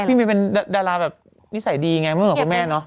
พี่เมย์เป็นดาราแบบนิสัยดีไงเมื่อเหมือนคุณแม่เนาะ